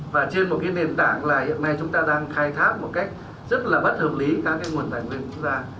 và trên một nền tảng là hiện nay chúng ta đang khai tháp một cách rất là bất hợp lý các nguồn thành viên quốc gia